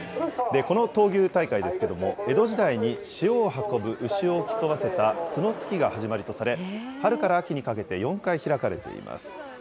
この闘牛大会ですけれども、江戸時代に塩を運ぶ牛を競わせた角突きが始まりとされ、春から秋にかけて４回開かれています。